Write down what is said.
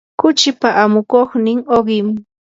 kuchipa amukuqnin uqim.